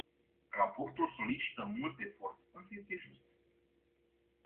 Raportul solicită mult efort, însă este just.